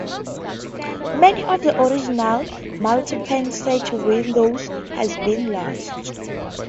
Many of the original multi-pane sash windows have been lost.